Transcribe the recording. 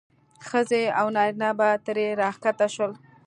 ښځې او نارینه به ترې راښکته شول.